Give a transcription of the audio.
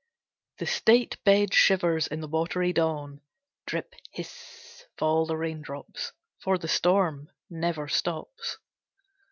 II The state bed shivers in the watery dawn. Drip hiss fall the raindrops. For the storm never stops.